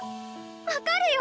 ⁉分かるよ！